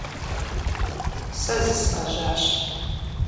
Сэ зысӀэжьащ.